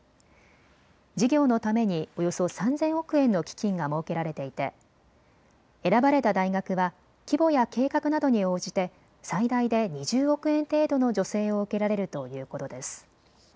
事業のためにおよそ３０００億円の基金が設けられていて選ばれた大学は規模や計画などに応じて最大で２０億円程度の助成を受けられるということです。